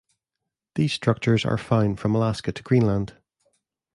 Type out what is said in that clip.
These structures are found from Alaska to Greenland.